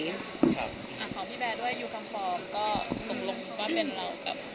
ของพี่แบร์ด้วยยูกัมฟอร์มก็ตกลงว่าเป็นเราแบบ